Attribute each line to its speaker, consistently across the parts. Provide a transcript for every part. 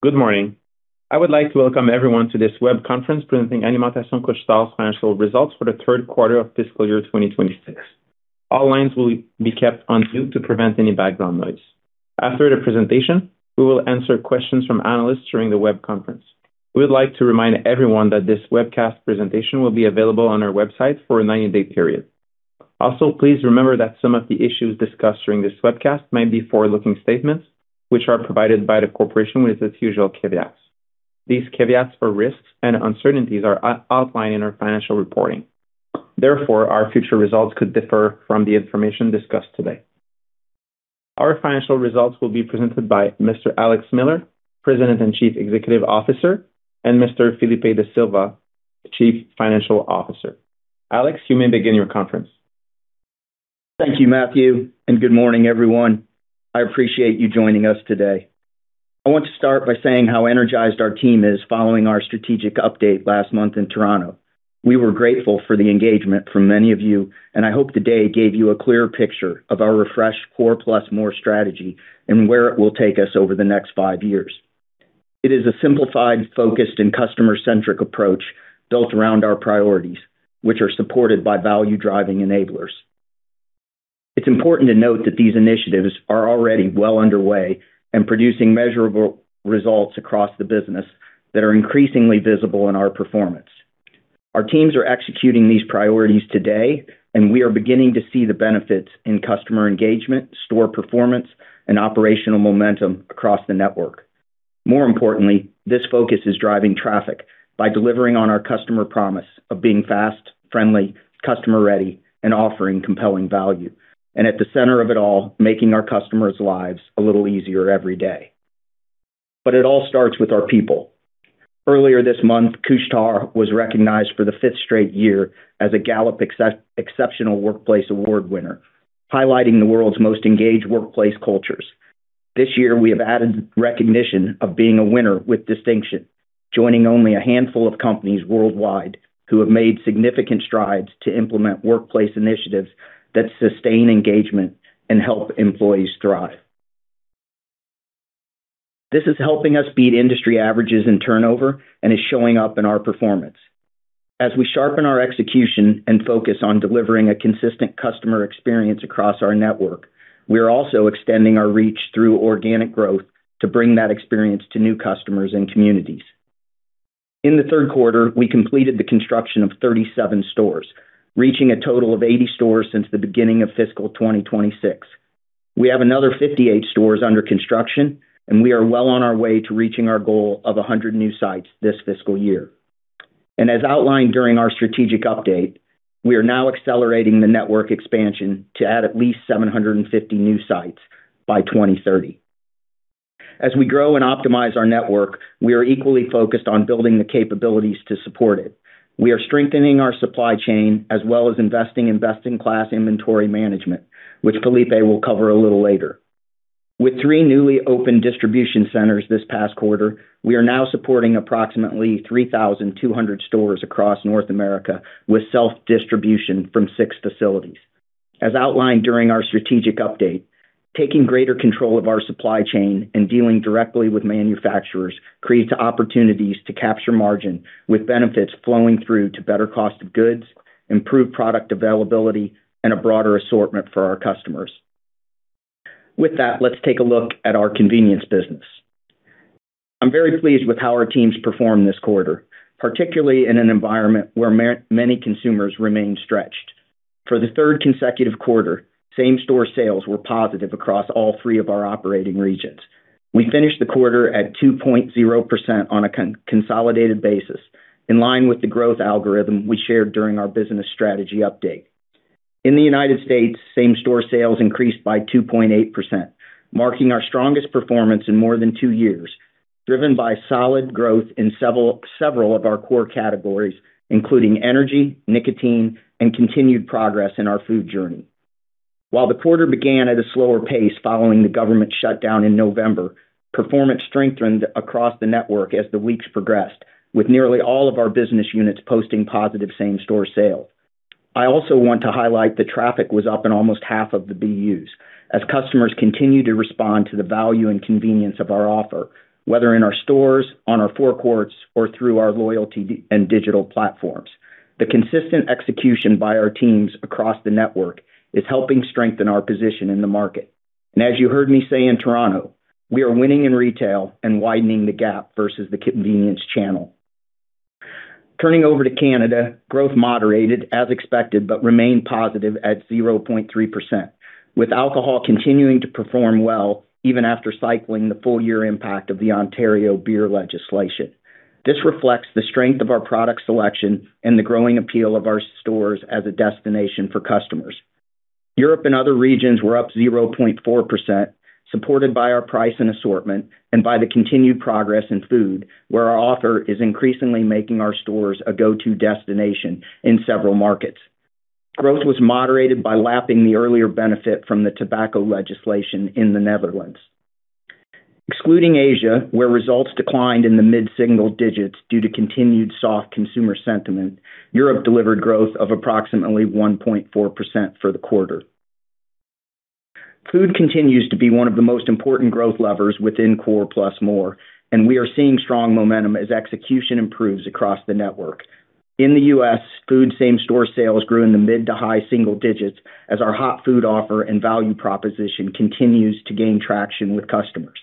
Speaker 1: Good morning. I would like to welcome everyone to this web conference presenting Alimentation Couche-Tard's financial results for the third quarter of fiscal year 2026. All lines will be kept on mute to prevent any background noise. After the presentation, we will answer questions from analysts during the web conference. We would like to remind everyone that this webcast presentation will be available on our website for a 90-day period. Also, please remember that some of the issues discussed during this webcast may be forward-looking statements which are provided by the corporation with its usual caveats. These caveats or risks and uncertainties are outlined in our financial reporting. Therefore, our future results could differ from the information discussed today. Our financial results will be presented by Mr. Alex Miller, President and Chief Executive Officer, and Mr. Filipe Da Silva, Chief Financial Officer. Alex, you may begin your conference.
Speaker 2: Thank you, Mathieu, and good morning, everyone. I appreciate you joining us today. I want to start by saying how energized our team is following our strategic update last month in Toronto. We were grateful for the engagement from many of you, and I hope today gave you a clear picture of our refreshed Core + More strategy and where it will take us over the next five years. It is a simplified, focused, and customer-centric approach built around our priorities, which are supported by value-driving enablers. It's important to note that these initiatives are already well underway and producing measurable results across the business that are increasingly visible in our performance. Our teams are executing these priorities today, and we are beginning to see the benefits in customer engagement, store performance, and operational momentum across the network. More importantly, this focus is driving traffic by delivering on our customer promise of being fast, friendly, customer ready, and offering compelling value. At the center of it all, making our customers' lives a little easier every day. It all starts with our people. Earlier this month, Couche-Tard was recognized for the fifth straight year as a Gallup Exceptional Workplace Award winner, highlighting the world's most engaged workplace cultures. This year, we have added recognition of being a winner with distinction, joining only a handful of companies worldwide who have made significant strides to implement workplace initiatives that sustain engagement and help employees thrive. This is helping us beat industry averages and turnover and is showing up in our performance. As we sharpen our execution and focus on delivering a consistent customer experience across our network, we are also extending our reach through organic growth to bring that experience to new customers and communities. In the third quarter, we completed the construction of 37 stores, reaching a total of 80 stores since the beginning of fiscal 2026. We have another 58 stores under construction, and we are well on our way to reaching our goal of 100 new sites this fiscal year. As outlined during our strategic update, we are now accelerating the network expansion to add at least 750 new sites by 2030. As we grow and optimize our network, we are equally focused on building the capabilities to support it. We are strengthening our supply chain as well as investing in best-in-class inventory management, which Filipe will cover a little later. With three newly opened distribution centers this past quarter, we are now supporting approximately 3,200 stores across North America with self-distribution from six facilities. As outlined during our strategic update, taking greater control of our supply chain and dealing directly with manufacturers creates opportunities to capture margin with benefits flowing through to better cost of goods, improved product availability, and a broader assortment for our customers. With that, let's take a look at our convenience business. I'm very pleased with how our teams performed this quarter, particularly in an environment where many consumers remain stretched. For the third consecutive quarter, same-store sales were positive across all three of our operating regions. We finished the quarter at 2.0% on a consolidated basis, in line with the growth algorithm we shared during our business strategy update. In the United States, same-store sales increased by 2.8%, marking our strongest performance in more than 2 years, driven by solid growth in several of our core categories, including energy, nicotine, and continued progress in our food journey. While the quarter began at a slower pace following the government shutdown in November, performance strengthened across the network as the weeks progressed, with nearly all of our business units posting positive same-store sales. I also want to highlight the traffic was up in almost half of the BUs as customers continued to respond to the value and convenience of our offer, whether in our stores, on our forecourts, or through our loyalty and digital platforms. The consistent execution by our teams across the network is helping strengthen our position in the market. As you heard me say in Toronto, we are winning in retail and widening the gap versus the convenience channel. Turning over to Canada, growth moderated as expected but remained positive at 0.3%, with alcohol continuing to perform well even after cycling the full-year impact of the Ontario beer legislation. This reflects the strength of our product selection and the growing appeal of our stores as a destination for customers. Europe and other regions were up 0.4%, supported by our price and assortment and by the continued progress in food, where our offer is increasingly making our stores a go-to destination in several markets. Growth was moderated by lapping the earlier benefit from the tobacco legislation in the Netherlands. Excluding Asia, where results declined in the mid-single digits due to continued soft consumer sentiment, Europe delivered growth of approximately 1.4% for the quarter. Food continues to be one of the most important growth levers within Core + More, and we are seeing strong momentum as execution improves across the network. In the U.S., food same-store sales grew in the mid to high single digits as our hot food offer and value proposition continues to gain traction with customers.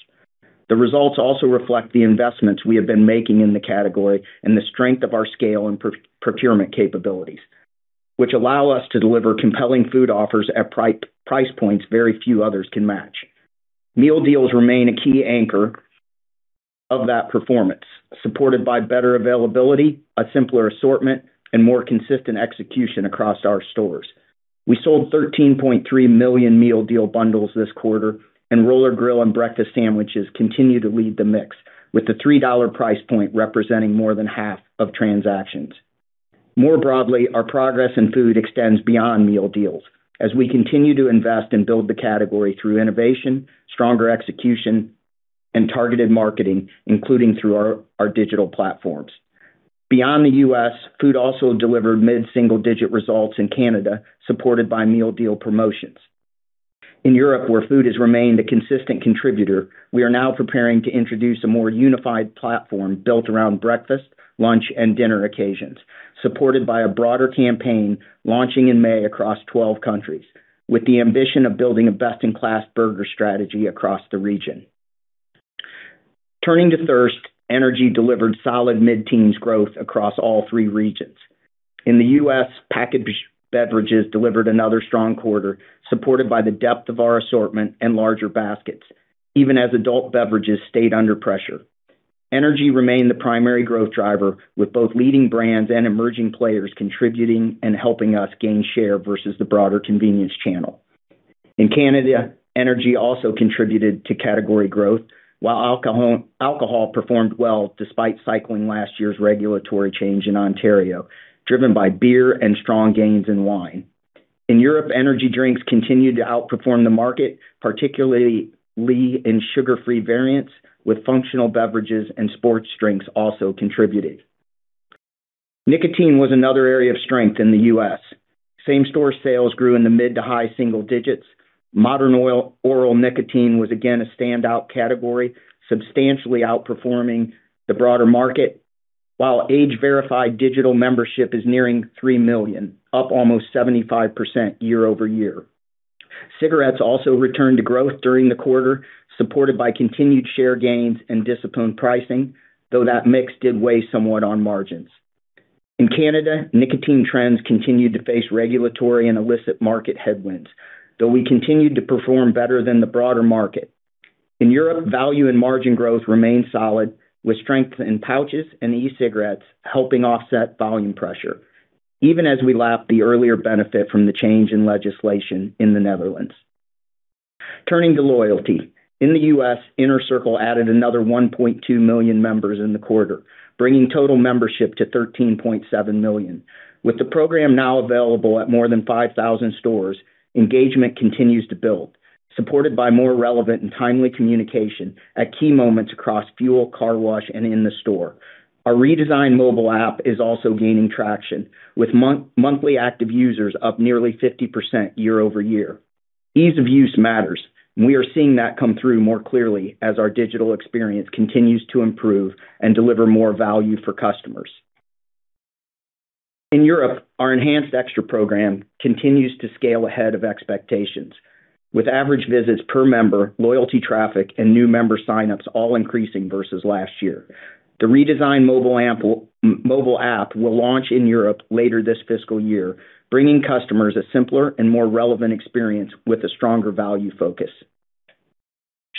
Speaker 2: The results also reflect the investments we have been making in the category and the strength of our scale and procurement capabilities, which allow us to deliver compelling food offers at price points very few others can match. Meal deals remain a key anchor of that performance, supported by better availability, a simpler assortment, and more consistent execution across our stores. We sold 13.3 million meal deal bundles this quarter, and roller grill and breakfast sandwiches continue to lead the mix, with the $3 price point representing more than half of transactions. More broadly, our progress in food extends beyond meal deals as we continue to invest and build the category through innovation, stronger execution, and targeted marketing, including through our digital platforms. Beyond the U.S., food also delivered mid-single digit results in Canada, supported by meal deal promotions. In Europe, where food has remained a consistent contributor, we are now preparing to introduce a more unified platform built around breakfast, lunch, and dinner occasions, supported by a broader campaign launching in May across 12 countries, with the ambition of building a best-in-class burger strategy across the region. Turning to thirst, energy delivered solid mid-teens growth across all three regions. In the US, packaged beverages delivered another strong quarter, supported by the depth of our assortment and larger baskets, even as adult beverages stayed under pressure. Energy remained the primary growth driver, with both leading brands and emerging players contributing and helping us gain share versus the broader convenience channel. In Canada, energy also contributed to category growth, while alcohol performed well despite cycling last year's regulatory change in Ontario, driven by beer and strong gains in wine. In Europe, energy drinks continued to outperform the market, particularly in sugar-free variants, with functional beverages and sports drinks also contributing. Nicotine was another area of strength in the US. Same-store sales grew in the mid- to high-single digits. Modern oral nicotine was again a standout category, substantially outperforming the broader market, while age-verified digital membership is nearing 3 million, up almost 75% year-over-year. Cigarettes also returned to growth during the quarter, supported by continued share gains and disciplined pricing, though that mix did weigh somewhat on margins. In Canada, nicotine trends continued to face regulatory and illicit market headwinds, though we continued to perform better than the broader market. In Europe, value and margin growth remained solid, with strength in pouches and e-cigarettes helping offset volume pressure, even as we lapped the earlier benefit from the change in legislation in the Netherlands. Turning to loyalty. In the U.S., Inner Circle added another 1.2 million members in the quarter, bringing total membership to 13.7 million. With the program now available at more than 5,000 stores, engagement continues to build, supported by more relevant and timely communication at key moments across fuel, car wash, and in the store. Our redesigned mobile app is also gaining traction, with monthly active users up nearly 50% year-over-year. Ease of use matters, and we are seeing that come through more clearly as our digital experience continues to improve and deliver more value for customers. In Europe, our enhanced Extra program continues to scale ahead of expectations, with average visits per member, loyalty traffic, and new member sign-ups all increasing versus last year. The redesigned mobile app will launch in Europe later this fiscal year, bringing customers a simpler and more relevant experience with a stronger value focus.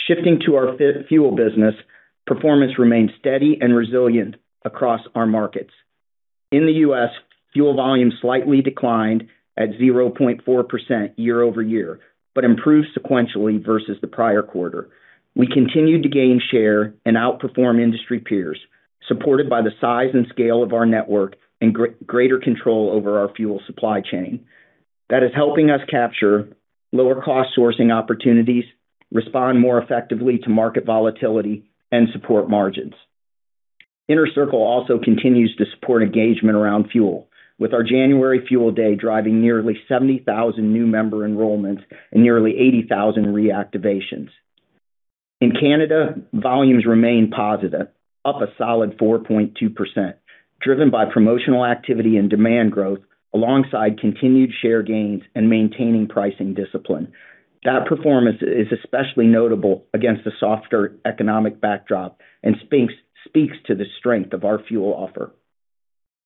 Speaker 2: Shifting to our fuel business, performance remained steady and resilient across our markets. In the U.S., fuel volumes slightly declined at 0.4% year-over-year, but improved sequentially versus the prior quarter. We continued to gain share and outperform industry peers, supported by the size and scale of our network and greater control over our fuel supply chain. That is helping us capture lower cost sourcing opportunities, respond more effectively to market volatility, and support margins. Inner Circle also continues to support engagement around fuel, with our January Fuel Day driving nearly 70,000 new member enrollments and nearly 80,000 reactivations. In Canada, volumes remain positive, up a solid 4.2%, driven by promotional activity and demand growth alongside continued share gains and maintaining pricing discipline. That performance is especially notable against the softer economic backdrop and speaks to the strength of our fuel offer.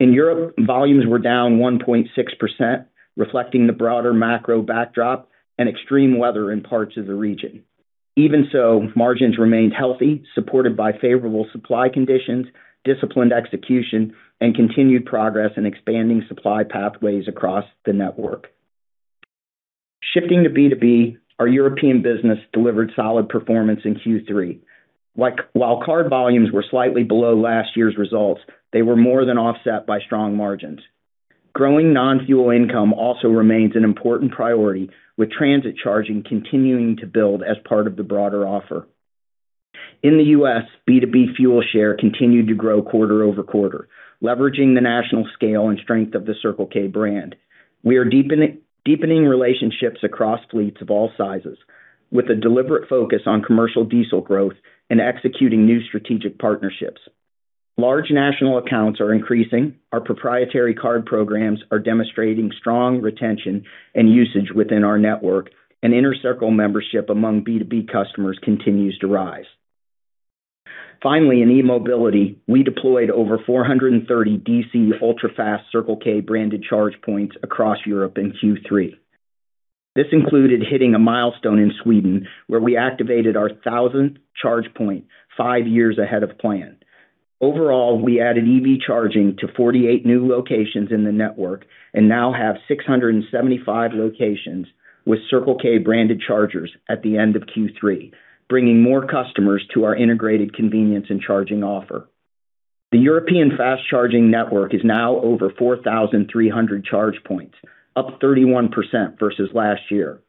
Speaker 2: In Europe, volumes were down 1.6%, reflecting the broader macro backdrop and extreme weather in parts of the region. Even so, margins remained healthy, supported by favorable supply conditions, disciplined execution, and continued progress in expanding supply pathways across the network. Shifting to B2B, our European business delivered solid performance in Q3. While card volumes were slightly below last year's results, they were more than offset by strong margins. Growing non-fuel income also remains an important priority, with transit charging continuing to build as part of the broader offer. In the U.S., B2B fuel share continued to grow quarter-over-quarter, leveraging the national scale and strength of the Circle K brand. We are deepening relationships across fleets of all sizes with a deliberate focus on commercial diesel growth and executing new strategic partnerships. Large national accounts are increasing. Our proprietary card programs are demonstrating strong retention and usage within our network, and Inner Circle membership among B2B customers continues to rise. Finally, in e-mobility, we deployed over 430 DC ultra-fast Circle K branded charge points across Europe in Q3. This included hitting a milestone in Sweden, where we activated our thousandth charge point 5 years ahead of plan. Overall, we added EV charging to 48 new locations in the network and now have 675 locations with Circle K branded chargers at the end of Q3, bringing more customers to our integrated convenience and charging offer. The European fast charging network is now over 4,300 charge points, up 31% versus last year.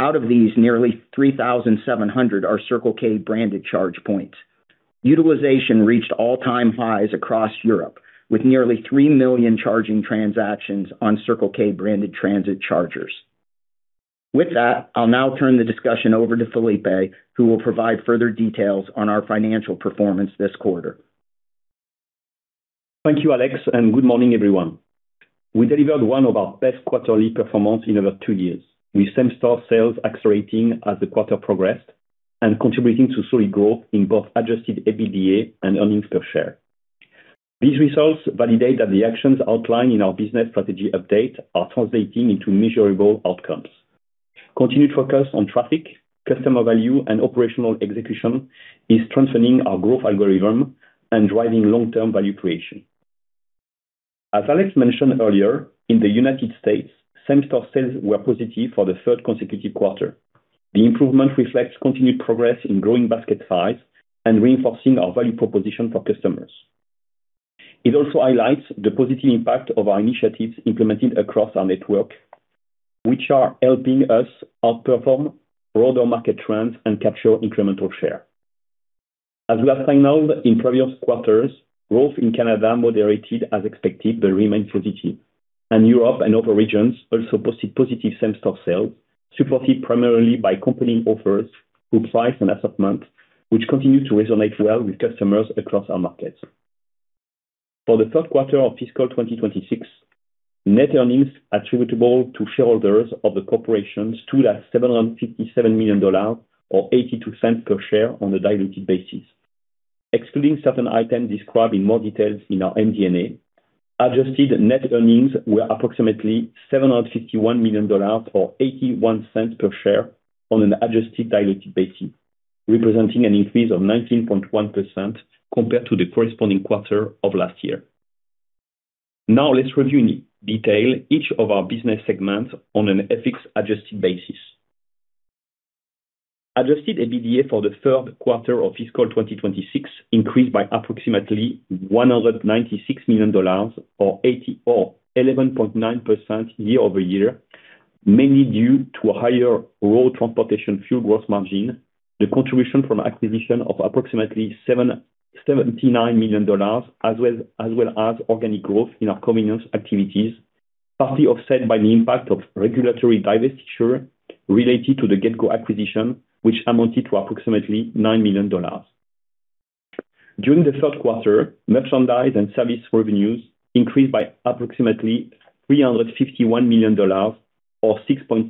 Speaker 2: Out of these, nearly 3,700 are Circle K branded charge points. Utilization reached all-time highs across Europe, with nearly 3 million charging transactions on Circle K branded transit chargers. With that, I'll now turn the discussion over to Filipe, who will provide further details on our financial performance this quarter.
Speaker 3: Thank you, Alex, and good morning, everyone. We delivered one of our best quarterly performance in over two years, with same-store sales accelerating as the quarter progressed and contributing to solid growth in both adjusted EBITDA and earnings per share. These results validate that the actions outlined in our business strategy update are translating into measurable outcomes. Continued focus on traffic, customer value, and operational execution is strengthening our growth algorithm and driving long-term value creation. As Alex mentioned earlier, in the United States, same-store sales were positive for the third consecutive quarter. The improvement reflects continued progress in growing basket size and reinforcing our value proposition for customers. It also highlights the positive impact of our initiatives implemented across our network, which are helping us outperform broader market trends and capture incremental share. As we have signaled in previous quarters, growth in Canada moderated as expected, but remained positive. Europe and other regions also posted positive same-store sales, supported primarily by compelling offers, group size, and assortment, which continue to resonate well with customers across our markets. For the third quarter of fiscal 2026, net earnings attributable to shareholders of the corporation stood at 757 million dollars or 0.82 per share on a diluted basis. Excluding certain items described in more details in our MD&A, adjusted net earnings were approximately 751 million dollars or 0.81 per share on an adjusted diluted basis, representing an increase of 19.1% compared to the corresponding quarter of last year. Now let's review in detail each of our business segments on an FX-adjusted basis. Adjusted EBITDA for the third quarter of fiscal 2026 increased by approximately 196 million dollars or 80 million or 11.9% year-over-year, mainly due to a higher road transportation fuel gross margin, the contribution from acquisition of approximately 779 million dollars, as well as organic growth in our convenience activities, partly offset by the impact of regulatory divestiture related to the GetGo acquisition, which amounted to approximately 9 million dollars. During the third quarter, merchandise and service revenues increased by approximately 351 million dollars or 6.6%,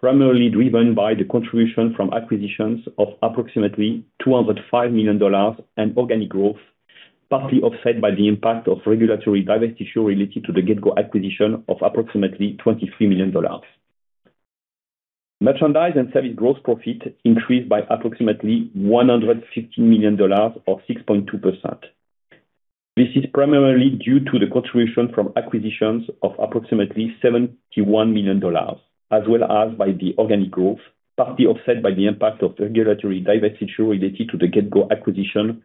Speaker 3: primarily driven by the contribution from acquisitions of approximately 205 million dollars and organic growth, partly offset by the impact of regulatory divestiture related to the GetGo acquisition of approximately 23 million dollars. Merchandise and service gross profit increased by approximately 150 million dollars or 6.2%. This is primarily due to the contribution from acquisitions of approximately $71 million, as well as by the organic growth, partly offset by the impact of regulatory divestiture related to the GetGo acquisition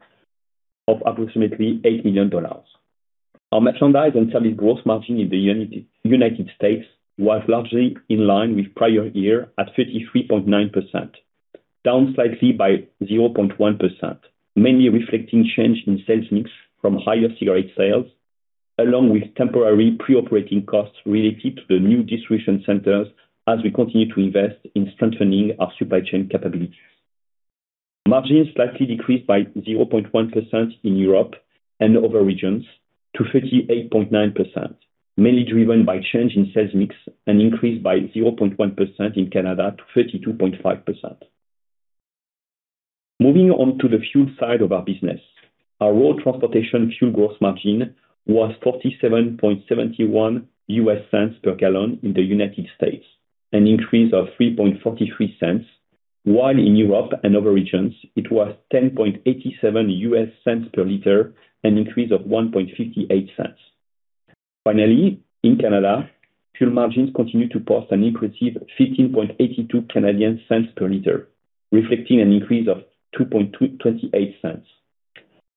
Speaker 3: of approximately $8 million. Our merchandise and service gross margin in the United States was largely in line with prior year at 33.9%, down slightly by 0.1%, mainly reflecting change in sales mix from higher cigarette sales, along with temporary pre-operating costs related to the new distribution centers as we continue to invest in strengthening our supply chain capabilities. Margins slightly decreased by 0.1% in Europe and other regions to 38.9%, mainly driven by change in sales mix and increased by 0.1% in Canada to 32.5%. Moving on to the fuel side of our business. Our road transportation fuel gross margin was $0.4771 per gallon in the United States, an increase of $0.0343, while in Europe and other regions it was $0.1087 per liter, an increase of $0.0158. Finally, in Canada, fuel margins continued to post an impressive 0.1582 per liter, reflecting an increase of 0.0228.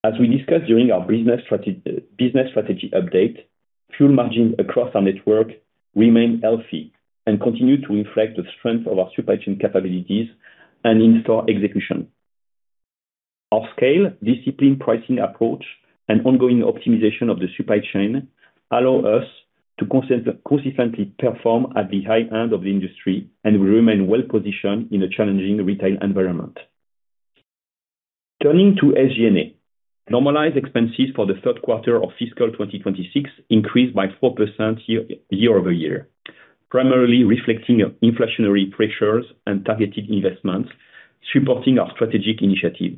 Speaker 3: As we discussed during our business strategy update, fuel margins across our network remain healthy and continue to reflect the strength of our supply chain capabilities and in-store execution. Our scale, disciplined pricing approach, and ongoing optimization of the supply chain allow us to consistently perform at the high end of the industry, and we remain well-positioned in a challenging retail environment. Turning to SG&A. Normalized expenses for the third quarter of fiscal 2026 increased by 4% year-over-year, primarily reflecting inflationary pressures and targeted investments supporting our strategic initiatives,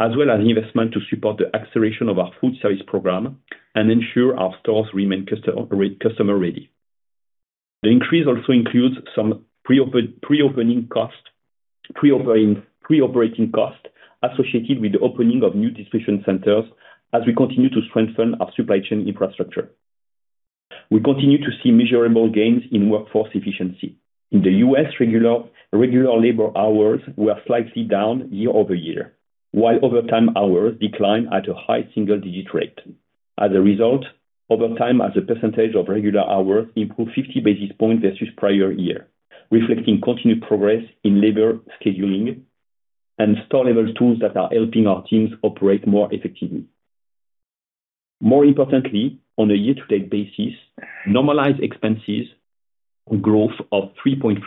Speaker 3: as well as investment to support the acceleration of our food service program and ensure our stores remain customer ready. The increase also includes some pre-opening costs, pre-operating costs associated with the opening of new distribution centers as we continue to strengthen our supply chain infrastructure. We continue to see measurable gains in workforce efficiency. In the U.S., regular labor hours were slightly down year-over-year, while overtime hours declined at a high single-digit rate. As a result, overtime as a percentage of regular hours improved 50 basis points versus prior year, reflecting continued progress in labor scheduling and store-level tools that are helping our teams operate more effectively. More importantly, on a year-to-date basis, normalized expenses growth of 3.3%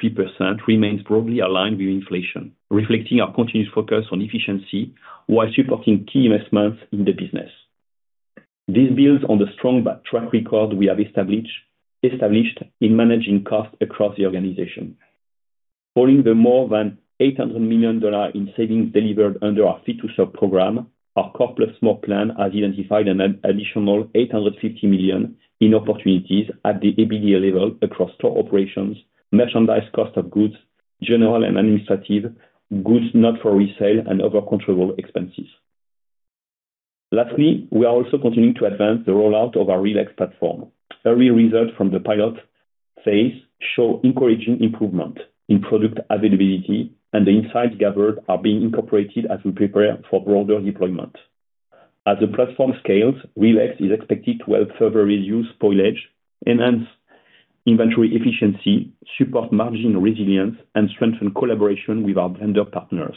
Speaker 3: remains broadly aligned with inflation, reflecting our continuous focus on efficiency while supporting key investments in the business. This builds on the strong track record we have established in managing costs across the organization. Following the more than 800 million dollars in savings delivered under our Fit-to-Serve program, our Core + More plan has identified an additional 850 million in opportunities at the EBITDA level across store operations, merchandise cost of goods, general and administrative, goods not for resale, and other controllable expenses. Lastly, we are also continuing to advance the rollout of our RELEX platform. Early results from the pilot phase show encouraging improvement in product availability, and the insights gathered are being incorporated as we prepare for broader deployment. As the platform scales, RELEX is expected to help further reduce spoilage, enhance inventory efficiency, support margin resilience, and strengthen collaboration with our vendor partners,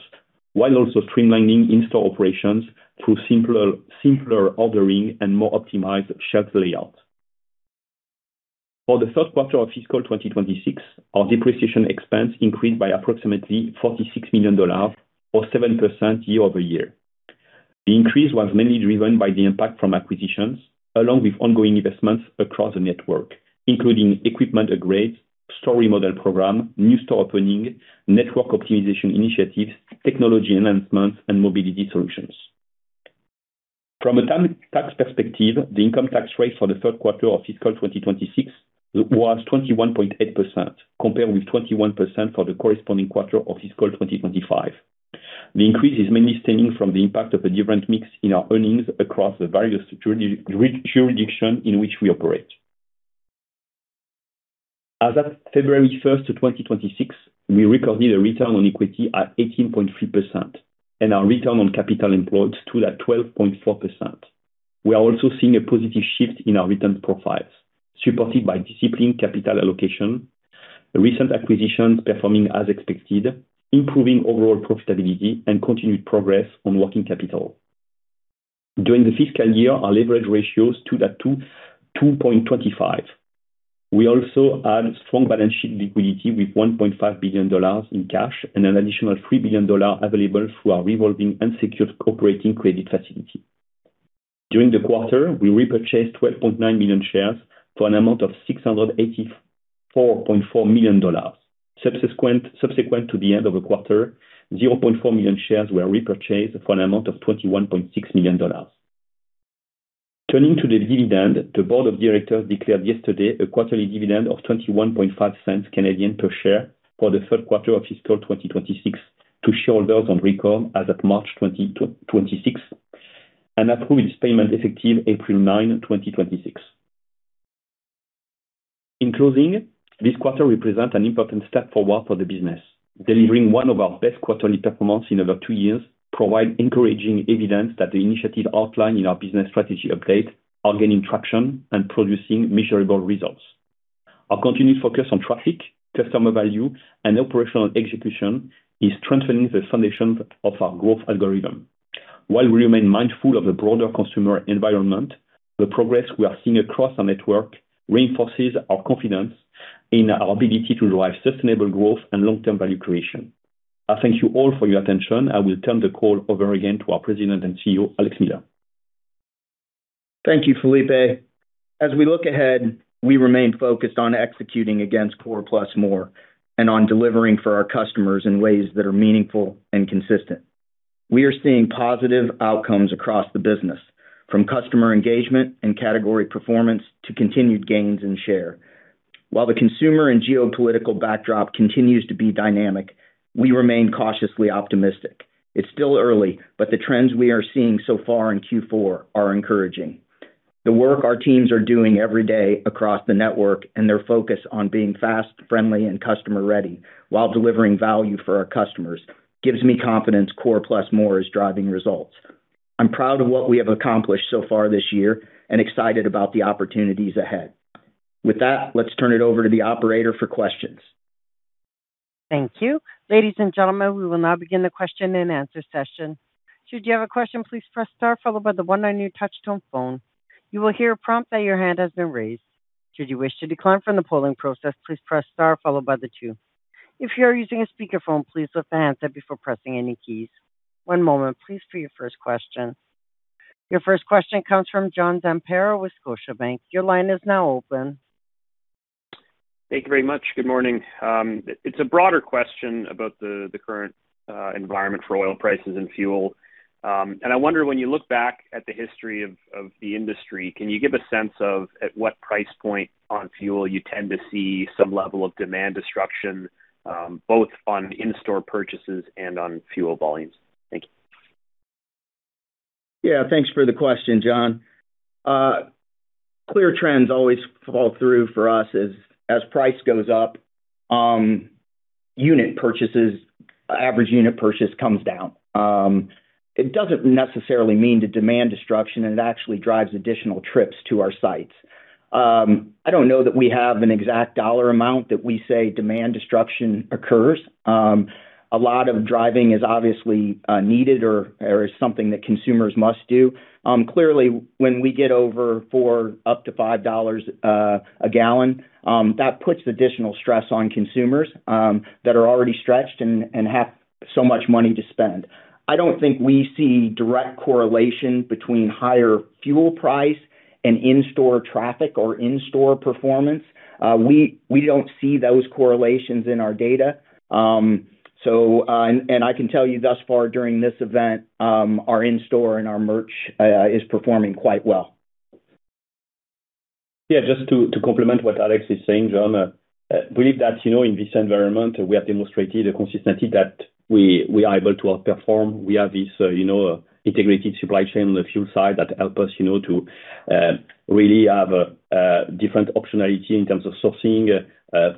Speaker 3: while also streamlining in-store operations through simpler ordering and more optimized shelf layouts. For the first quarter of fiscal 2026, our depreciation expense increased by approximately 46 million dollars, or 7% year-over-year. The increase was mainly driven by the impact from acquisitions, along with ongoing investments across the network, including equipment upgrades, store remodel program, new store opening, network optimization initiatives, technology enhancements, and mobility solutions. From a tax perspective, the income tax rate for the third quarter of fiscal 2026 was 21.8%, compared with 21% for the corresponding quarter of fiscal 2025. The increase is mainly stemming from the impact of a different mix in our earnings across the various jurisdictions in which we operate. As at February 1, 2026, we recorded a return on equity at 18.3%, and our return on capital employed stood at 12.4%. We are also seeing a positive shift in our return profiles, supported by disciplined capital allocation, recent acquisitions performing as expected, improving overall profitability, and continued progress on working capital. During the fiscal year, our leverage ratio stood at 2-2.25. We also had strong balance sheet liquidity with $1.5 billion in cash and an additional $3 billion available through our revolving unsecured operating credit facility. During the quarter, we repurchased 12.9 million shares for an amount of $684.4 million. Subsequent to the end of the quarter, 0.4 million shares were repurchased for an amount of $ 21.6 million. Turning to the dividend, the board of directors declared yesterday a quarterly dividend of 21.5 cents per share for the third quarter of fiscal 2026 to shareholders on record as of March 20, 2026 and approved its payment effective April 9, 2026. In closing, this quarter represents an important step forward for the business. Delivering one of our best quarterly performance in over 2 years provide encouraging evidence that the initiative outlined in our business strategy update are gaining traction and producing measurable results. Our continued focus on traffic, customer value, and operational execution is strengthening the foundations of our growth algorithm. While we remain mindful of the broader consumer environment, the progress we are seeing across our network reinforces our confidence in our ability to drive sustainable growth and long-term value creation. I thank you all for your attention. I will turn the call over again to our President and CEO, Alex Miller.
Speaker 2: Thank you, Filipe. As we look ahead, we remain focused on executing against Core + More and on delivering for our customers in ways that are meaningful and consistent. We are seeing positive outcomes across the business, from customer engagement and category performance to continued gains in share. While the consumer and geopolitical backdrop continues to be dynamic, we remain cautiously optimistic. It's still early, but the trends we are seeing so far in Q4 are encouraging. The work our teams are doing every day across the network, and their focus on being fast, friendly, and customer ready while delivering value for our customers, gives me confidence Core + More is driving results. I'm proud of what we have accomplished so far this year and excited about the opportunities ahead. With that, let's turn it over to the operator for questions.
Speaker 4: Thank you. Ladies and gentlemen, we will now begin the question-and-answer session. Should you have a question, please press star followed by the one on your touch tone phone. You will hear a prompt that your hand has been raised. Should you wish to decline from the polling process, please press star followed by the two. If you are using a speakerphone, please lift the handset before pressing any keys. One moment please for your first question. Your first question comes from John Zamparo with Scotiabank. Your line is now open.
Speaker 5: Thank you very much. Good morning. It's a broader question about the current environment for oil prices and fuel. I wonder, when you look back at the history of the industry, can you give a sense of at what price point on fuel you tend to see some level of demand destruction, both on in-store purchases and on fuel volumes? Thank you.
Speaker 2: Yeah, thanks for the question, John. Clear trends always follow through for us. As price goes up, unit purchases, average unit purchase comes down. It doesn't necessarily mean the demand destruction, and it actually drives additional trips to our sites. I don't know that we have an exact dollar amount that we say demand destruction occurs. A lot of driving is obviously needed or is something that consumers must do. Clearly when we get over $4 up to $5 a gallon, that puts additional stress on consumers that are already stretched and have so much money to spend. I don't think we see direct correlation between higher fuel price and in-store traffic or in-store performance. We don't see those correlations in our data. So, I can tell you thus far during this event, our in-store and our merch is performing quite well.
Speaker 3: Yeah. Just to complement what Alex is saying, John, I believe that, you know, in this environment we have demonstrated a consistency that we are able to outperform. We have this, you know, integrated supply chain on the fuel side that help us, you know, to really have a different optionality in terms of sourcing,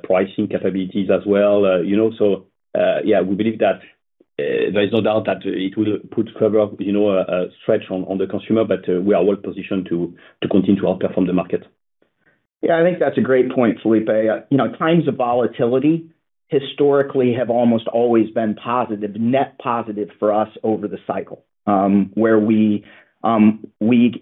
Speaker 3: pricing capabilities as well. You know, so, yeah, we believe that there is no doubt that it will put further, you know, stretch on the consumer, but we are well-positioned to continue to outperform the market.
Speaker 2: Yeah, I think that's a great point, Filipe. You know, times of volatility historically have almost always been positive, net positive for us over the cycle, where we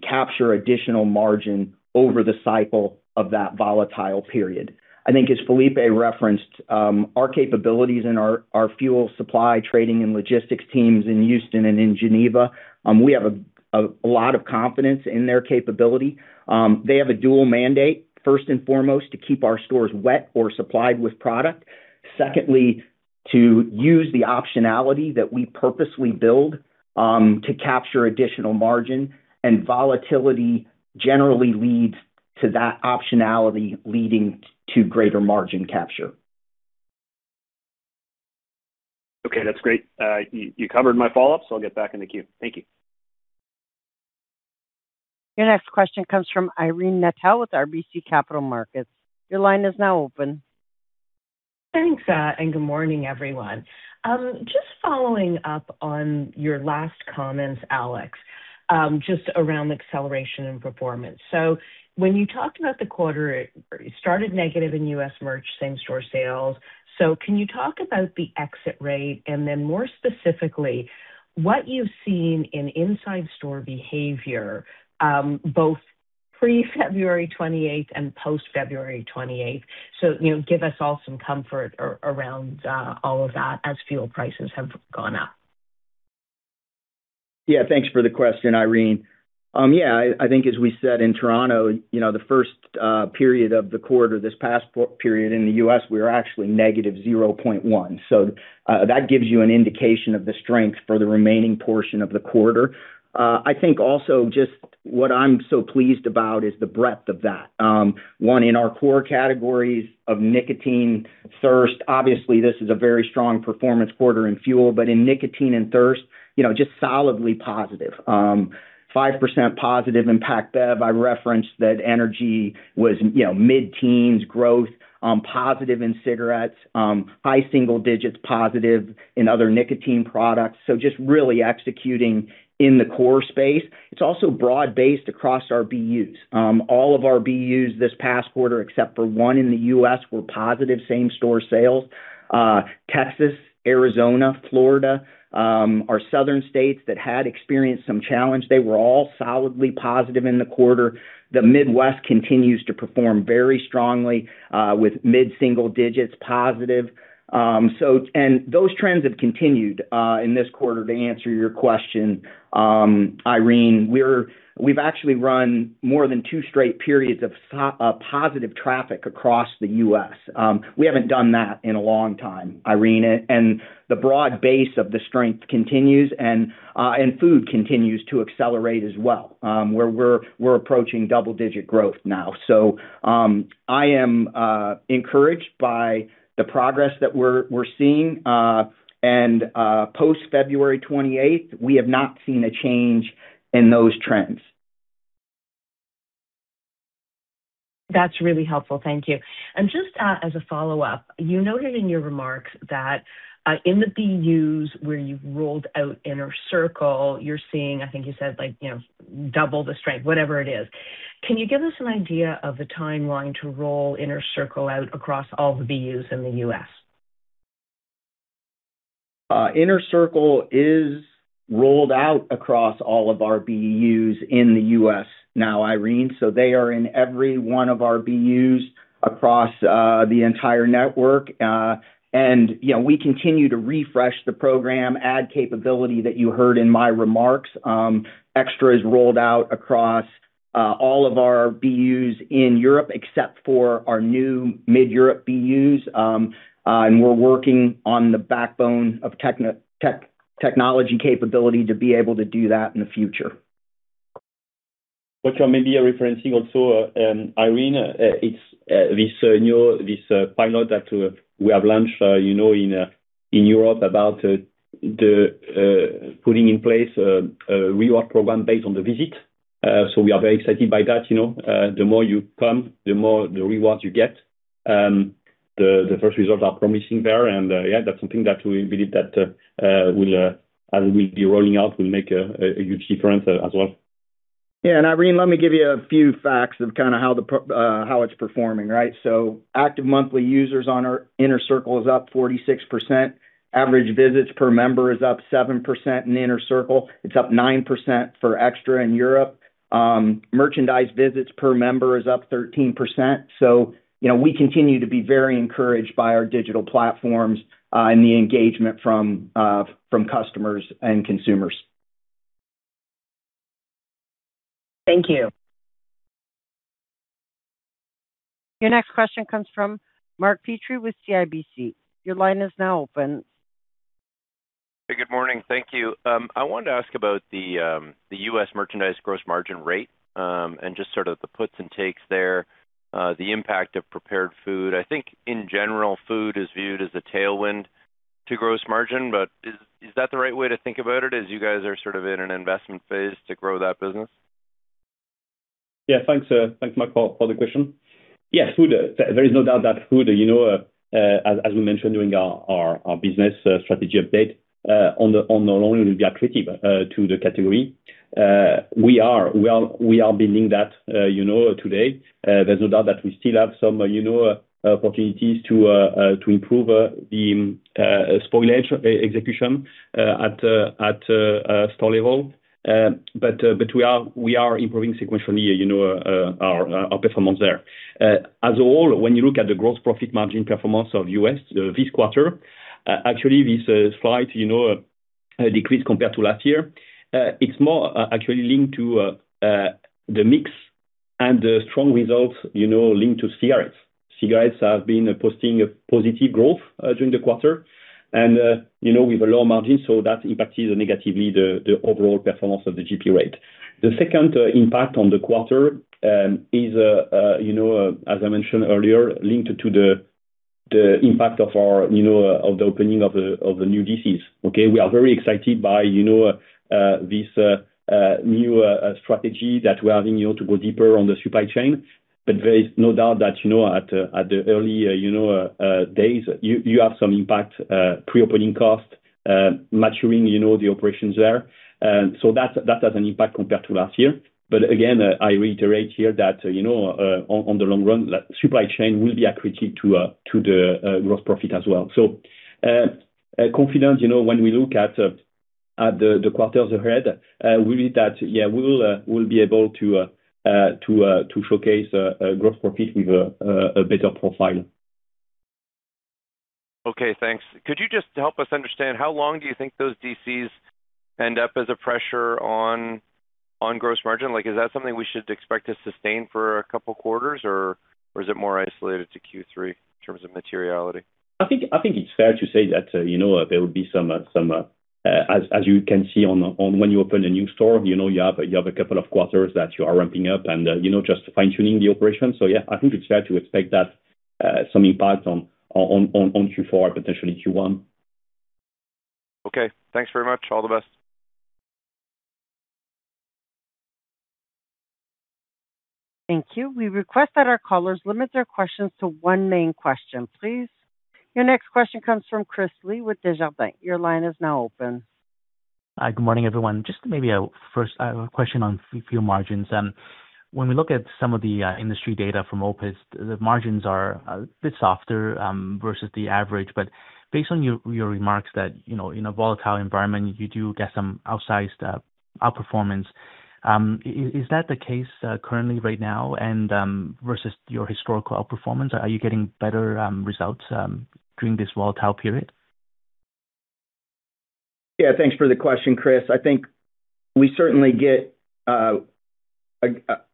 Speaker 2: capture additional margin over the cycle of that volatile period. I think as Filipe referenced, our capabilities in our fuel supply, trading and logistics teams in Houston and in Geneva, we have a lot of confidence in their capability. They have a dual mandate, first and foremost, to keep our stores wet or supplied with product. Secondly, to use the optionality that we purposely build, to capture additional margin. Volatility generally leads to that optionality, leading to greater margin capture.
Speaker 5: Okay, that's great. You covered my follow-up, so I'll get back in the queue. Thank you.
Speaker 4: Your next question comes from Irene Nattel with RBC Capital Markets. Your line is now open.
Speaker 6: Thanks, good morning, everyone. Just following up on your last comments, Alex, just around acceleration and performance. When you talked about the quarter, it started negative in U.S. merch same-store sales. Can you talk about the exit rate and then more specifically, what you've seen in inside store behavior, both pre-February 28th and post-February 28th? You know, give us all some comfort around all of that as fuel prices have gone up.
Speaker 2: Yeah, thanks for the question, Irene. I think as we said in Toronto, you know, the first period of the quarter, this past period in the US, we were actually negative 0.1%. That gives you an indication of the strength for the remaining portion of the quarter. I think also just what I'm so pleased about is the breadth of that. In our core categories of nicotine, thirst. Obviously, this is a very strong performance quarter in fuel. But in nicotine and thirst, you know, just solidly positive. 5% positive in pack bev. I referenced that energy was, you know, mid-teens growth, positive in cigarettes, high single digits positive in other nicotine products. So just really executing in the core space. It's also broad-based across our BUs. All of our BUs this past quarter, except for one in the U.S., were positive same-store sales. Texas, Arizona, Florida, our southern states that had experienced some challenge, they were all solidly positive in the quarter. The Midwest continues to perform very strongly, with mid-single digits positive. Those trends have continued in this quarter. To answer your question, Irene, we've actually run more than two straight periods of positive traffic across the U.S. We haven't done that in a long time, Irene. The broad base of the strength continues and food continues to accelerate as well, where we're approaching double-digit growth now. I am encouraged by the progress that we're seeing. Post-February 28th, we have not seen a change in those trends.
Speaker 6: That's really helpful. Thank you. Just, as a follow-up, you noted in your remarks that, in the BUs where you've rolled out Inner Circle, you're seeing, I think you said, like, you know, double the strength, whatever it is. Can you give us an idea of the timeline to roll Inner Circle out across all the BUs in the U.S.?
Speaker 2: Inner Circle is rolled out across all of our BUs in the U.S. now, Irene. They are in every one of our BUs across the entire network. You know, we continue to refresh the program, add capability that you heard in my remarks. Extra is rolled out across all of our BUs in Europe, except for our new mid-Europe BUs. We're working on the backbone of technology capability to be able to do that in the future.
Speaker 3: Which you may be referencing also, Irene, it's this new pilot that we have launched, you know, in Europe about the putting in place a reward program based on the visit. We are very excited by that, you know. The first results are promising there. Yeah, that's something that we believe will, as we'll be rolling out, make a huge difference as well.
Speaker 2: Yeah. Irene, let me give you a few facts of kinda how it's performing, right? Active monthly users on our Inner Circle is up 46%. Average visits per member is up 7% in Inner Circle. It's up 9% for Extra in Europe. Merchandise visits per member is up 13%. You know, we continue to be very encouraged by our digital platforms and the engagement from customers and consumers.
Speaker 6: Thank you.
Speaker 4: Your next question comes from Mark Petrie with CIBC. Your line is now open.
Speaker 7: Hey, good morning. Thank you. I wanted to ask about the U.S. merchandise gross margin rate, and just sort of the puts and takes there, the impact of prepared food. I think in general, food is viewed as a tailwind to gross margin, but is that the right way to think about it as you guys are sort of in an investment phase to grow that business?
Speaker 3: Yeah, thanks, Mark, for the question. Yes, food, there is no doubt that food, you know, as we mentioned during our business strategy update, in the long run will be accretive to the category. We are building that, you know, today. There's no doubt that we still have some, you know, opportunities to improve the spoilage execution at store level. We are improving sequentially, you know, our performance there. As a whole, when you look at the gross profit margin performance of the U.S., this quarter, actually, this slight, you know, decrease compared to last year, it's more, actually linked to the mix and the strong results, you know, linked to cigarettes. Cigarettes have been posting a positive growth during the quarter and, you know, with a low margin, so that impacted negatively the overall performance of the GP rate. The second impact on the quarter is, you know, as I mentioned earlier, linked to the impact of the opening of the new DCs, okay. We are very excited by, you know, this new strategy that we're having, you know, to go deeper on the supply chain. There is no doubt that, you know, at the early, you know, days, you have some impact, pre-opening cost, maturing, you know, the operations there. That has an impact compared to last year. Again, I reiterate here that, you know, in the long run, that supply chain will be accretive to the gross profit as well. Confident, you know, when we look at the quarters ahead, we believe that, yeah, we'll be able to to showcase a gross profit with a better profile.
Speaker 7: Okay, thanks. Could you just help us understand how long do you think those DCs end up as a pressure on gross margin? Like, is that something we should expect to sustain for a couple quarters or is it more isolated to Q3 in terms of materiality?
Speaker 3: I think it's fair to say that, you know, there will be some as you can see when you open a new store, you know, you have a couple of quarters that you are ramping up and, you know, just fine-tuning the operation. Yeah, I think it's fair to expect that, some impact on Q4, potentially Q1.
Speaker 7: Okay. Thanks very much. All the best.
Speaker 4: Thank you. We request that our callers limit their questions to one main question, please. Your next question comes from Chris Li with Desjardins. Your line is now open.
Speaker 8: Hi. Good morning, everyone. Just maybe a first question on fuel margins. When we look at some of the industry data from OPIS, the margins are a bit softer versus the average. Based on your remarks that, you know, in a volatile environment, you do get some outsized outperformance. Is that the case currently right now and versus your historical outperformance? Are you getting better results during this volatile period?
Speaker 2: Yeah, thanks for the question, Chris.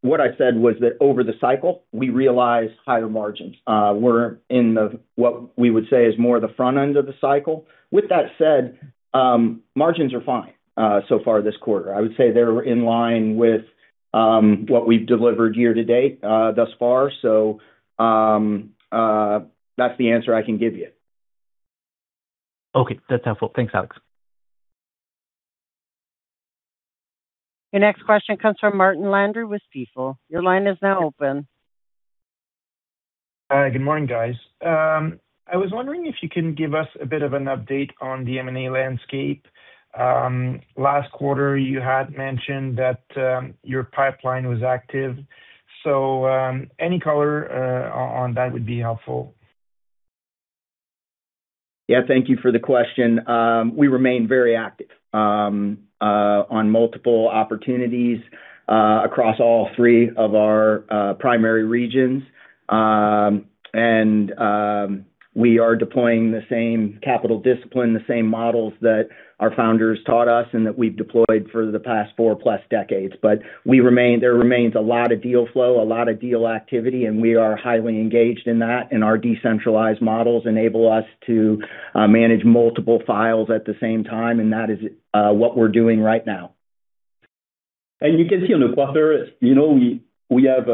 Speaker 2: What I said was that over the cycle, we realize higher margins. We're in what we would say is more the front end of the cycle. With that said, margins are fine so far this quarter. I would say they're in line with what we've delivered year to date, thus far. That's the answer I can give you.
Speaker 8: Okay. That's helpful. Thanks, Alex.
Speaker 4: Your next question comes from Martin Landry with Stifel GMP. Your line is now open.
Speaker 9: Good morning, guys. I was wondering if you can give us a bit of an update on the M&A landscape. Last quarter, you had mentioned that your pipeline was active, any color on that would be helpful.
Speaker 2: Yeah. Thank you for the question. We remain very active on multiple opportunities across all three of our primary regions. We are deploying the same capital discipline, the same models that our founders taught us and that we've deployed for the past four-plus decades. There remains a lot of deal flow, a lot of deal activity, and we are highly engaged in that. Our decentralized models enable us to manage multiple files at the same time, and that is what we're doing right now.
Speaker 3: You can see in the quarter, you know, we have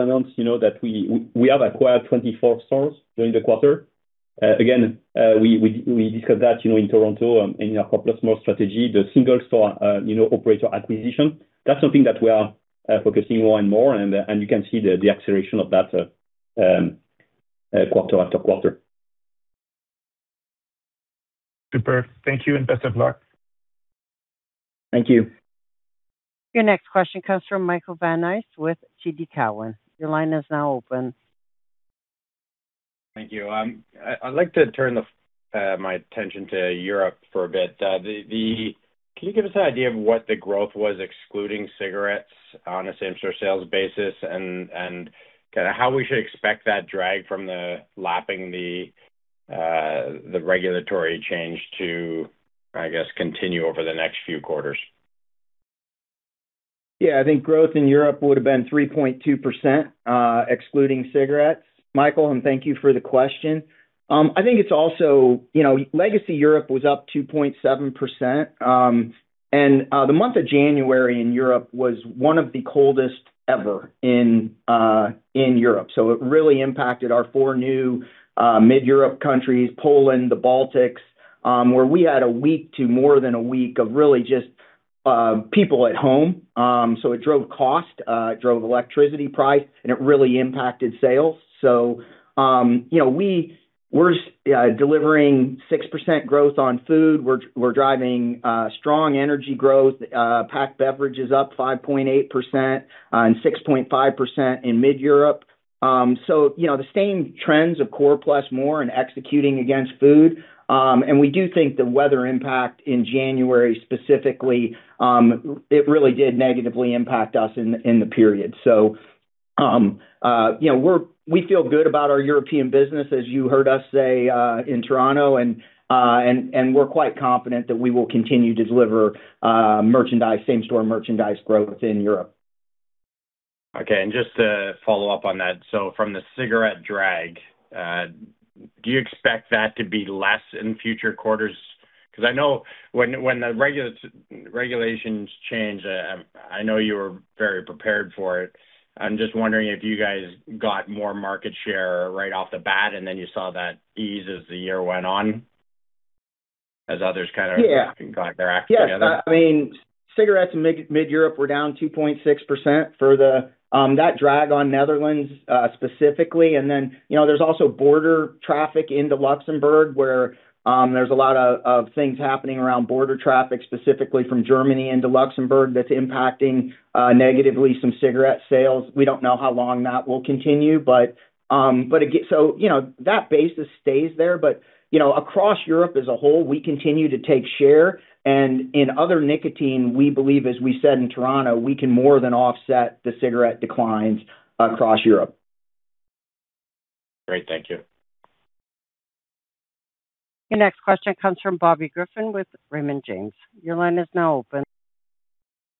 Speaker 3: announced, you know, that we have acquired 24 stores during the quarter. Again, we discussed that, you know, in Toronto, in our Core + More strategy. The single store, you know, operator acquisition, that's something that we are focusing more and more, and you can see the acceleration of that, quarter after quarter.
Speaker 9: Super. Thank you, and best of luck.
Speaker 2: Thank you.
Speaker 4: Your next question comes from Michael Van Aelst with TD Cowen. Your line is now open.
Speaker 10: Thank you. I'd like to turn my attention to Europe for a bit. Can you give us an idea of what the growth was excluding cigarettes on a same-store sales basis? Kinda how we should expect that drag from the lapping the regulatory change to, I guess, continue over the next few quarters.
Speaker 2: Yeah. I think growth in Europe would have been 3.2%, excluding cigarettes. Michael, and thank you for the question. I think it's also. You know, legacy Europe was up 2.7%. The month of January in Europe was one of the coldest ever in Europe. It really impacted our four new mid-Europe countries, Poland, the Baltics, where we had a week to more than a week of really just people at home. It drove cost, it drove electricity price, and it really impacted sales. You know, we're delivering 6% growth on food. We're driving strong energy growth. Packaged beverages is up 5.8%, and 6.5% in mid-Europe. You know, the same trends of Core + More and executing against food. We do think the weather impact in January specifically, it really did negatively impact us in the period. You know, we feel good about our European business, as you heard us say in Toronto, and we're quite confident that we will continue to deliver same-store merchandise growth in Europe.
Speaker 10: Okay. Just to follow up on that. From the cigarette drag, do you expect that to be less in future quarters? 'Cause I know when the regulations change, I know you were very prepared for it. I'm just wondering if you guys got more market share right off the bat, and then you saw that ease as the year went on, as others kind of
Speaker 2: Yeah.
Speaker 10: Got their act together.
Speaker 2: Yes. I mean, cigarettes in mid-Europe were down 2.6% for the that drag on Netherlands specifically. Then, you know, there's also border traffic into Luxembourg, where there's a lot of things happening around border traffic, specifically from Germany into Luxembourg, that's impacting negatively some cigarette sales. We don't know how long that will continue. You know, that basis stays there. You know, across Europe as a whole, we continue to take share. In other nicotine, we believe, as we said in Toronto, we can more than offset the cigarette declines across Europe.
Speaker 10: Great. Thank you.
Speaker 4: Your next question comes from Bobby Griffin with Raymond James. Your line is now open.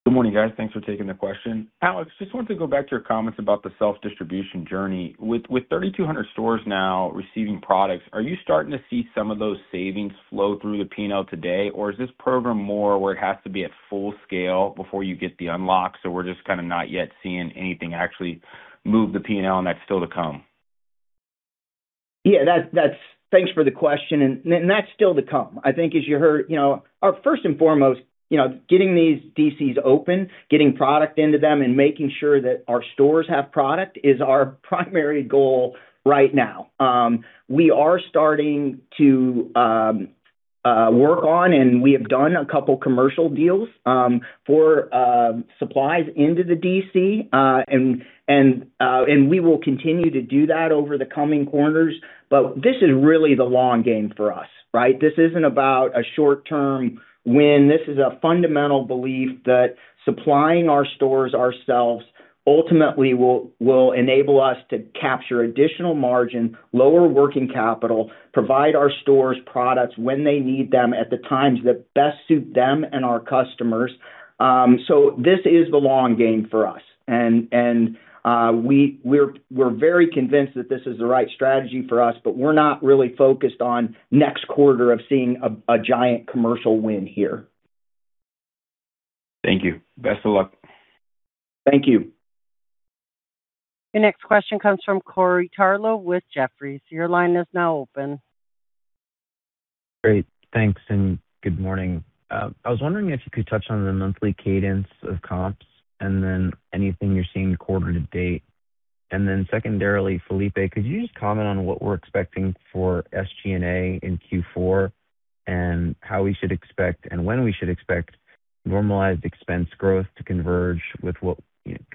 Speaker 11: Good morning, guys. Thanks for taking the question. Alex, just wanted to go back to your comments about the self-distribution journey. With 3,200 stores now receiving products, are you starting to see some of those savings flow through the P&L today? Or is this program more where it has to be at full scale before you get the unlock, so we're just kinda not yet seeing anything actually move the P&L and that's still to come?
Speaker 2: Yeah, that's. Thanks for the question. That's still to come. I think as you heard, you know, our first and foremost, you know, getting these DCs open, getting product into them, and making sure that our stores have product is our primary goal right now. We are starting to work on, and we have done a couple commercial deals for supplies into the DC. And we will continue to do that over the coming quarters. This is really the long game for us, right? This isn't about a short-term win. This is a fundamental belief that supplying our stores ourselves ultimately will enable us to capture additional margin, lower working capital, provide our stores products when they need them at the times that best suit them and our customers. This is the long game for us. We're very convinced that this is the right strategy for us, but we're not really focused on next quarter or seeing a giant commercial win here.
Speaker 11: Thank you. Best of luck.
Speaker 2: Thank you.
Speaker 4: Your next question comes from Corey Tarlowe with Jefferies. Your line is now open.
Speaker 12: Great. Thanks, and good morning. I was wondering if you could touch on the monthly cadence of comps and then anything you're seeing quarter to date. Then secondarily, Filipe, could you just comment on what we're expecting for SG&A in Q4, and how we should expect and when we should expect normalized expense growth to converge with what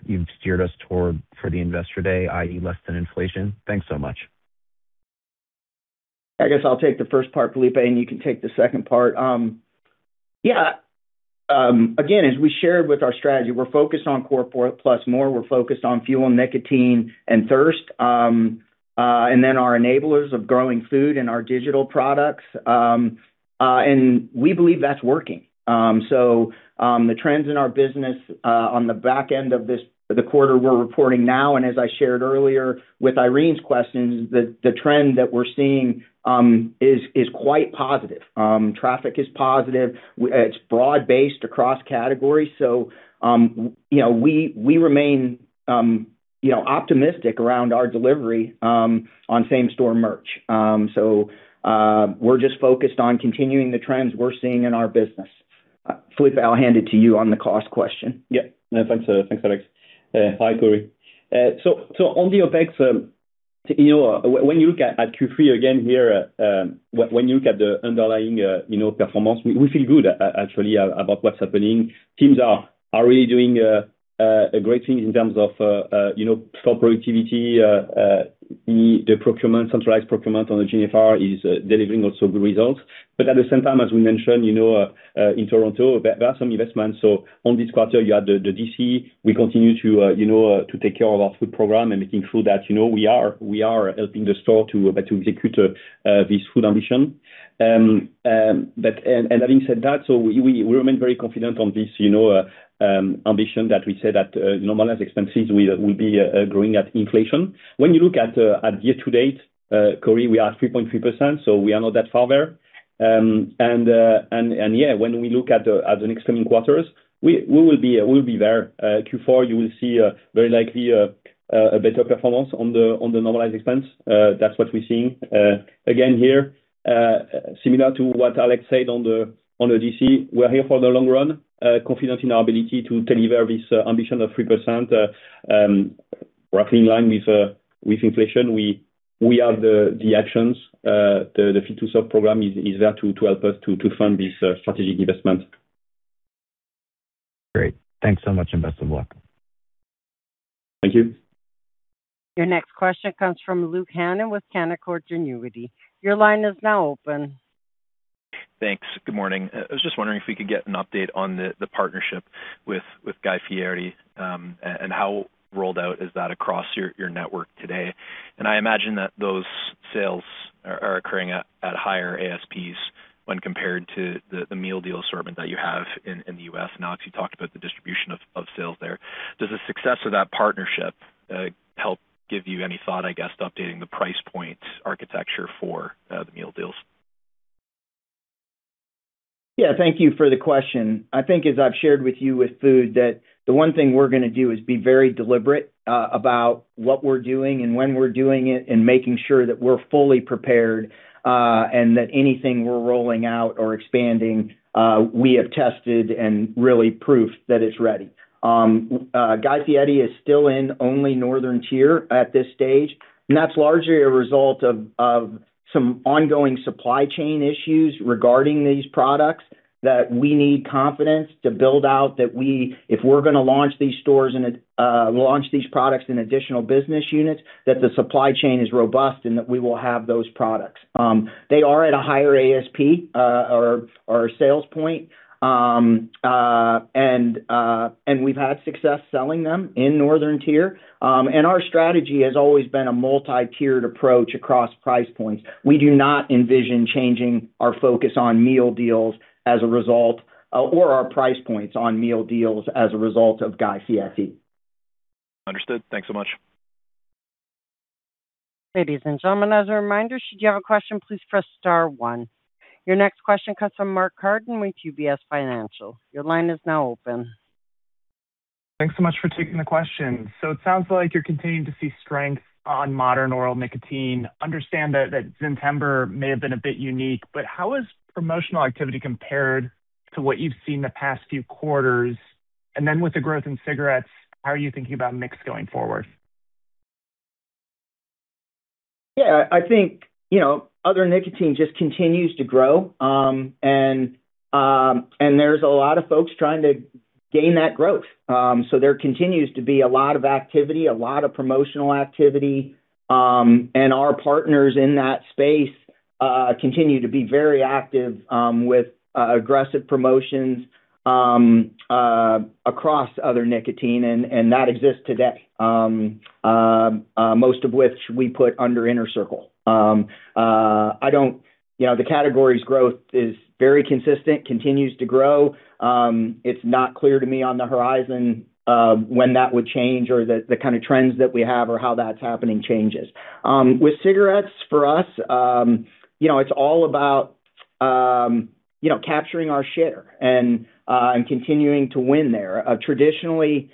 Speaker 12: you've steered us toward for the investor day, i.e. less than inflation? Thanks so much.
Speaker 2: I guess I'll take the first part, Filipe, and you can take the second part. Yeah. Again, as we shared with our strategy, we're focused on Core + More, we're focused on fuel, nicotine, and thirst, and then our enablers of growing food and our digital products. We believe that's working. The trends in our business, on the back end of this, the quarter we're reporting now, and as I shared earlier with Irene's questions, the trend that we're seeing, is quite positive. Traffic is positive. It's broad-based across categories. You know, we remain, you know, optimistic around our delivery, on same-store merch. We're just focused on continuing the trends we're seeing in our business. Filipe, I'll hand it to you on the cost question.
Speaker 3: Yeah. No, thanks, Alex. Hi, Corey. So on the OpEx, you know, when you look at Q3 again here, when you look at the underlying, you know, performance, we feel good actually about what's happening. Teams are really doing a great thing in terms of, you know, store productivity, the procurement, centralized procurement on the GNFR is delivering also good results. But at the same time, as we mentioned, you know, in Toronto, there are some investments. So on this quarter, you have the DC, we continue to, you know, to take care of our food program and making sure that, you know, we are helping the store to execute this food ambition. Having said that, we remain very confident on this, you know, ambition that we say that normalized expenses will be growing at inflation. When you look at year to date, Corey, we are at 3.3%, so we are not that far there. When we look at the next coming quarters, we will be there. Q4, you will see very likely a better performance on the normalized expense. That's what we're seeing. Again here, similar to what Alex said on the DC, we're here for the long run, confident in our ability to deliver this ambition of 3%, roughly in line with inflation. We have the actions. The Fit-to-Serve program is there to help us fund this strategic investment.
Speaker 12: Great. Thanks so much, and best of luck.
Speaker 3: Thank you.
Speaker 4: Your next question comes from Luke Hannan with Canaccord Genuity. Your line is now open.
Speaker 13: Thanks. Good morning. I was just wondering if we could get an update on the partnership with Guy Fieri, and how rolled out is that across your network today? I imagine that those sales are occurring at higher ASPs when compared to the meal deal assortment that you have in the U.S. I know that you talked about the distribution of sales there. Does the success of that partnership help give you any thought, I guess, to updating the price point architecture for the meal deals?
Speaker 2: Yeah. Thank you for the question. I think as I've shared with you with food, that the one thing we're gonna do is be very deliberate about what we're doing and when we're doing it, and making sure that we're fully prepared, and that anything we're rolling out or expanding, we have tested and really proven that it's ready. Guy Fieri is still in only Northern Tier at this stage, and that's largely a result of some ongoing supply chain issues regarding these products that we need confidence to build out that we, if we're gonna launch these products in additional business units, that the supply chain is robust and that we will have those products. They are at a higher ASP, or a sales point. We've had success selling them in northern tier. Our strategy has always been a multi-tiered approach across price points. We do not envision changing our focus on meal deals as a result, or our price points on meal deals as a result of Guy Fieri.
Speaker 13: Understood. Thanks so much.
Speaker 4: Ladies and gentlemen, as a reminder, should you have a question, please press star one. Your next question comes from Mark Carden with UBS. Your line is now open.
Speaker 14: Thanks so much for taking the question. It sounds like you're continuing to see strength on modern oral nicotine. Understand that that Zyn may have been a bit unique, but how has promotional activity compared to what you've seen the past few quarters? With the growth in cigarettes, how are you thinking about mix going forward?
Speaker 2: Yeah. I think, you know, other nicotine just continues to grow. There's a lot of folks trying to gain that growth. There continues to be a lot of activity, a lot of promotional activity. Our partners in that space continue to be very active with aggressive promotions across other nicotine, and that exists today. Most of which we put under Inner Circle. You know, the category's growth is very consistent, continues to grow. It's not clear to me on the horizon when that would change or the kinda trends that we have or how that's happening changes. With cigarettes, for us, you know, it's all about capturing our share and continuing to win there. Traditionally,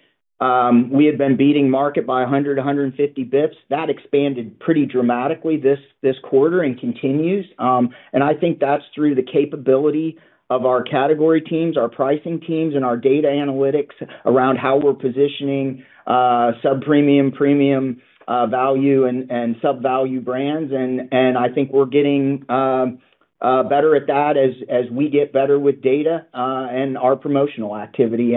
Speaker 2: we had been beating the market by 100-150 basis points. That expanded pretty dramatically this quarter and continues. I think that's through the capability of our category teams, our pricing teams, and our data analytics around how we're positioning sub premium, value and sub value brands. I think we're getting better at that as we get better with data and our promotional activity.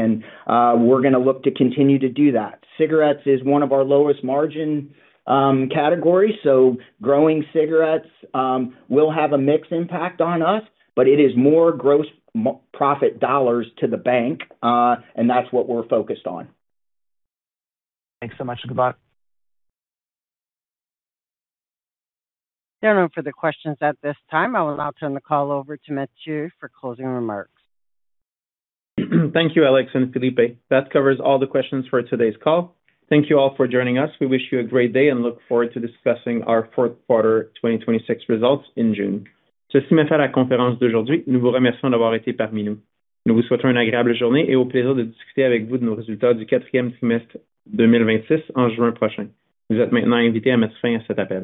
Speaker 2: We're gonna look to continue to do that. Cigarettes is one of our lowest margin categories, so growing cigarettes will have a mixed impact on us, but it is more gross profit dollars to the bank, and that's what we're focused on.
Speaker 14: Thanks so much. Good luck.
Speaker 4: There are no further questions at this time. I will now turn the call over to Mathieu for closing remarks.
Speaker 1: Thank you, Alex and Filipe. That covers all the questions for today's call. Thank you all for joining us. We wish you a great day and look forward to discussing our fourth quarter 2026 results in June.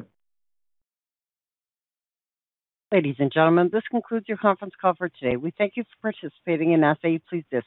Speaker 1: [inaudible]
Speaker 4: Ladies and gentlemen, this concludes your conference call for today. We thank you for participating and ask that you please disconnect.